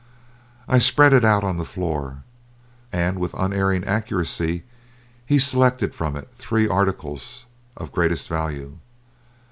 I spread it out on the floor, and with unerring accuracy he selected from it the three articles of greatest value.